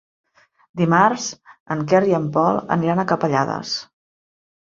Dimarts en Quer i en Pol aniran a Capellades.